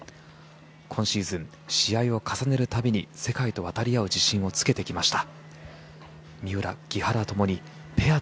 今シーズン、試合を重ねるたびに世界と渡り合う自信をつけてきました。